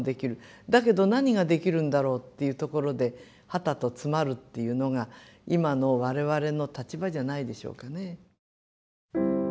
だけど何ができるんだろうっていうところではたと詰まるっていうのが今の我々の立場じゃないでしょうかね。